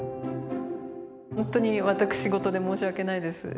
本当に私事で申し訳ないです。